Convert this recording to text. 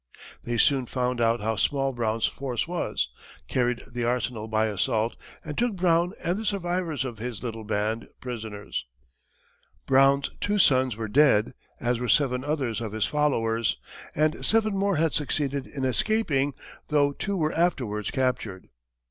They soon found out how small Brown's force was, carried the arsenal by assault, and took Brown and the survivors of his little band prisoners. Brown's two sons were dead, as were seven others of his followers, and seven more had succeeded in escaping, though two were afterwards captured.